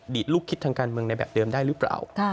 ลูกคิดทางการเมืองในแบบเดิมได้หรือเปล่า